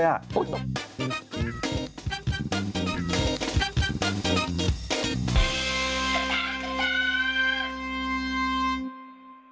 โอ๊ยตก